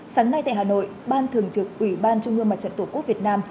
sáng nay tại hà nội ban thường trực ủy ban trung ương mặt trận tổ quốc việt nam